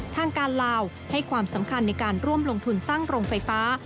ทางการลาวให้ความสำคัญในการร่วมลงทุนสร้างโรงไฟฟ้า